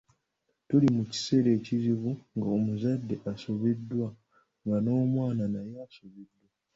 Tuli mu kiseera ekizibu ng'omuzadde asobeddwa nga n'omwana naye asobeddwa